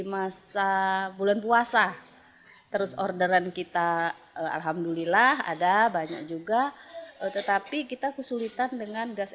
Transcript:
masa bulan puasa terus orderan kita alhamdulillah ada banyak juga tetapi kita kesulitan dengan gas